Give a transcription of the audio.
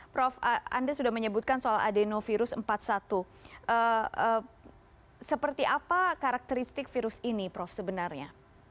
prof anda sudah menyebutkan soal adenovirus empat puluh satu seperti apa karakteristik virus ini prof sebenarnya